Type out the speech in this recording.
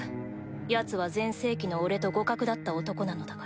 ヤツは全盛期の俺と互角だった男なのだから。